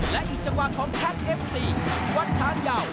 และอีกจังหวะของแท็กเอฟซีวัดช้างยาว